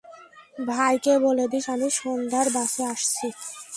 ভাইকে বলে দিস আমি সন্ধ্যার বাসে আসছি।